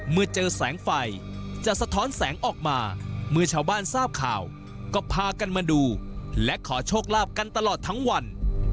เมื่อเจอแสงไฟจะสะท้อนแสงออกมาเมื่อชาวบ้านทราบข่าวก็พากันมาดูและขอโชคลาภกันตลอดทั้งวัน